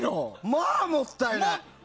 まあもったいない。